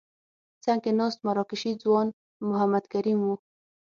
څنګ کې ناست مراکشي ځوان محمد کریم وو.